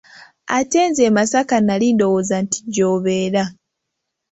Ate nze e masaka nali ndowooza nti gy'obeera.